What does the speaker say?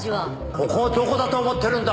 ここをどこだと思ってるんだ！？